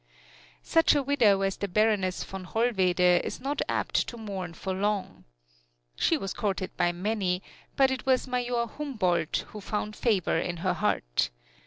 Such a widow as the Baroness von Hollwede is not apt to mourn for long. She was courted by many, but it was Major Humboldt who found favor in her heart.